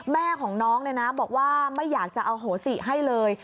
แม่ของน้องบอกว่าไม่อยากจะเอาโหสิให้เลย